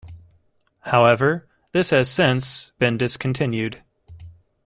However, this has since been discontinued.